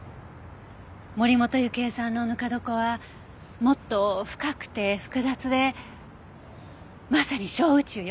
森本雪絵さんのぬか床はもっと深くて複雑でまさに小宇宙よ！